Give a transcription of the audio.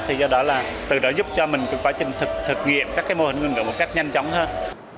thì do đó là từ đó giúp cho mình quá trình thực nghiệm các mô hình ngôn ngữ một cách nhanh chóng hơn